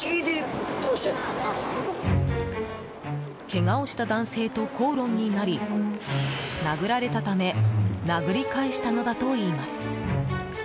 けがをした男性と口論になり殴られたため殴り返したのだといいます。